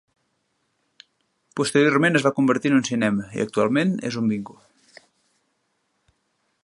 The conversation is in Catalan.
Posteriorment es va convertir en un cinema i actualment és un bingo.